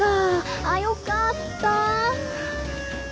あっよかった